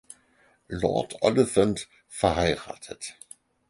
Lord Oliphant verheiratet.